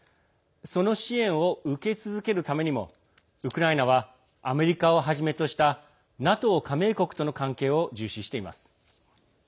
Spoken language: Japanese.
その支援を受け続けるためにもウクライナはアメリカをはじめとしたＮＡＴＯ加盟国との関係を重視しています。